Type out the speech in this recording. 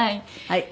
はい。